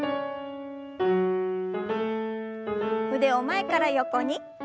腕を前から横に。